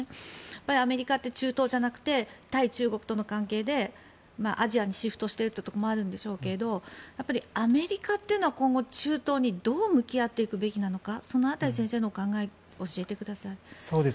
アメリカって中東じゃなくて対中国との関係でアジアにシフトしているところもあると思うんですがアメリカというのは今後、中東にどう向き合っていくべきなのかその辺り先生のお考えを教えてください。